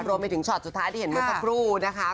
รวมไปถึงช็อตสุดท้ายที่เห็นเมื่อสักครู่นะคะ